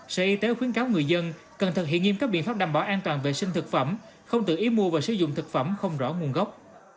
sở y tế khuyến cáo người dân cần thực hiện nghiêm các biện pháp đảm bảo an toàn vệ sinh thực phẩm không tự ý mua và sử dụng thực phẩm không rõ nguồn gốc